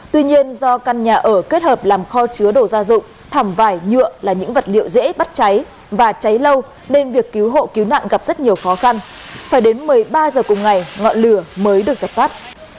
tuy nhiên do căn nhà ở kết hợp làm kho chứa đồ gia dụng thảm vải nhựa là những vật liệu dễ bắt cháy và cháy lâu nên việc cứu hộ cứu nạn gặp rất nhiều khó khăn phải đến một mươi ba h cùng ngày ngọn lửa mới được dập tắt